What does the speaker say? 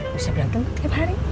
bisa berantem tiap hari